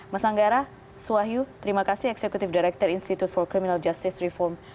mas anggara swahyu terima kasih eksekutif direktur institute for criminal justice reform